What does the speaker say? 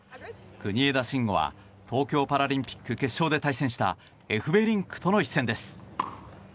国枝慎吾は東京パラリンピック決勝で対戦したエフベリンクとの一戦です。